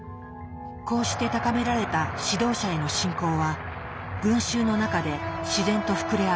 こうして高められた指導者への信仰は群衆の中で自然と膨れ上がります。